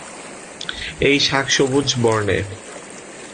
এই শাক সবুজ বর্ণের।